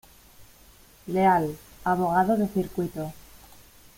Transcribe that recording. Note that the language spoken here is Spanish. Leal, abogado de circuito.